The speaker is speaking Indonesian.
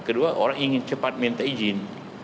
kedua orang ingin cepat minta izin